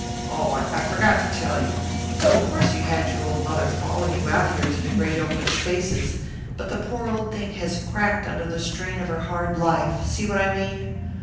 "Oh, I forgot to tell you. Of course you had your old mother follow you out here to the great open spaces, but the poor old thing has cracked under the strain of her hard life, see what I mean?